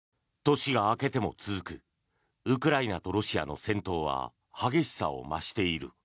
年が明けても続くウクライナとロシアの戦闘は激しさを増している。